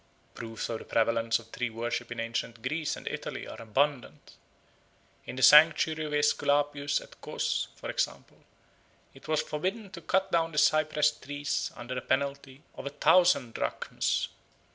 Proofs of the prevalence of tree worship in ancient Greece and Italy are abundant. In the sanctuary of Aesculapius at Cos, for example, it was forbidden to cut down the cypress trees under a penalty of a thousand drachms.